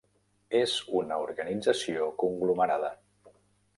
És una organització conglomerada.